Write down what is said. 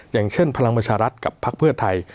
อย่างเช่นพลังประชารัฐกับพักเพื่อไทย